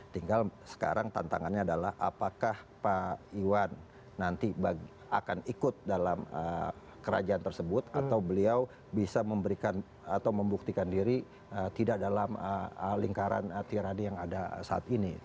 tinggal sekarang tantangannya adalah apakah pak iwan nanti akan ikut dalam kerajaan tersebut atau beliau bisa memberikan atau membuktikan diri tidak dalam lingkaran tirani yang ada saat ini